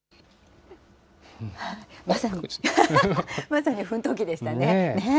まさに、奮闘記でしたね。